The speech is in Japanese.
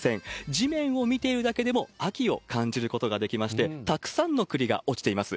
地面を見ているだけでも秋を感じることができまして、たくさんの栗が落ちています。